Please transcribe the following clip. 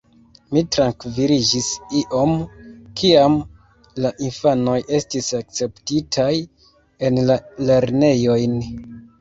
Mi trankviliĝis iom, kiam la infanoj estis akceptitaj en la lernejojn.